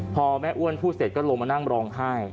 พอแม่อ้วนพูดเสร็จก็ลงมานั่งร้องไห้